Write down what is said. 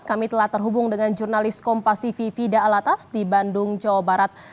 kami telah terhubung dengan jurnalis kompas tv fida alatas di bandung jawa barat